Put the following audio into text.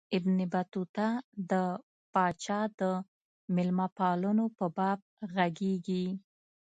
ابن بطوطه د پاچا د مېلمه پالنو په باب ږغیږي.